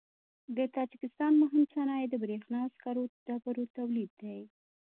د تاجکستان مهم صنایع د برېښنا او سکرو ډبرو تولید دی.